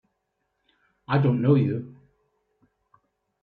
I don't know you!